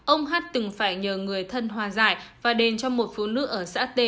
ông hát từng phải nhờ người thân hòa giải và đền cho một phụ nữ ở xã t